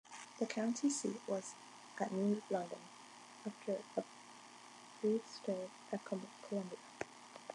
The county seat was at New London, after a brief stay at Columbia.